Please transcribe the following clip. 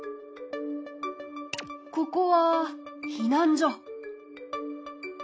ここは避難所。